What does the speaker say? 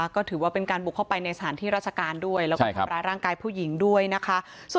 ก็ถือว่าเป็นการบุกเข้าไปในสถานที่ราชการด้วยแล้วก็ทำร้ายร่างกายผู้หญิงด้วยนะคะ